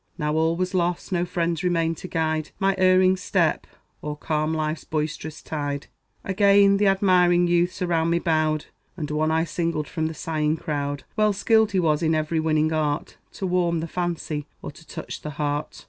Now all was lost; no friends remained to guide My erring step, or calm life's boisterous tide. Again th' admiring youths around me bowed; And one I singled from the sighing crowd. Well skilled he was in every winning art To warm the fancy, or to touch the heart.